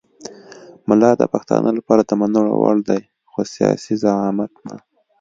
ملا د پښتانه لپاره د منلو وړ دی خو سیاسي زعامت نه.